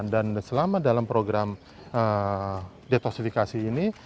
dan selama dalam program detoksifikasi ini